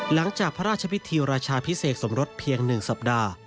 หลังจากพระราชพิธีราชาพิเศษสมรสเพียง๑สัปดาห์